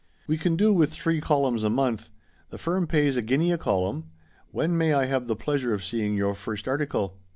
" We can do with three columns a month. The firm pays a guinea a column. When may I have the pleasure of seeing your first article